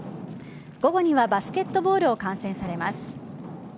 午後にはバスケットボールを観戦されます。